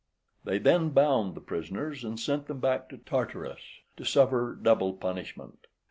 They then bound the prisoners and sent them back to Tartarus, to suffer double punishment.